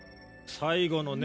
最後のね